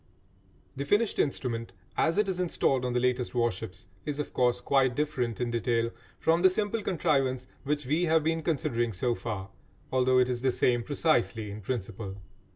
The finished instrument as it is installed on the latest warships is, of course, quite different in detail from the simple contrivance which we have been considering so far, although it is the same precisely in principle.